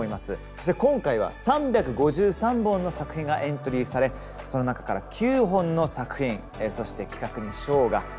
そして今回は３５３本の作品がエントリーされその中から９本の作品そして企画に賞が贈られました。